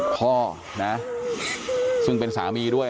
พ่อนะซึ่งเป็นสามีด้วย